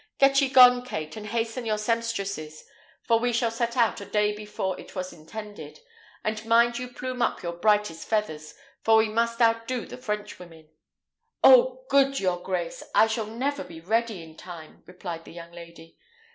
Get ye gone, Kate, and hasten your sempstresses, for we shall set out a day before it was intended; and mind you plume up your brightest feathers, for we must outdo the Frenchwomen." "Oh, good, your grace! I shall never be ready in time," replied the young lady.